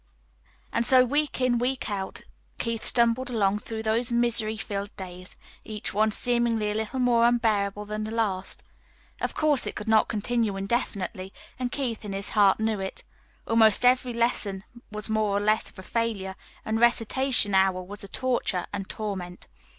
And so week in and week out Keith stumbled along through those misery filled days, each one seemingly a little more unbearable than the last. Of course, it could not continue indefinitely, and Keith, in his heart, knew it. Almost every lesson was more or less of a failure, and recitation hour was a torture and a torment.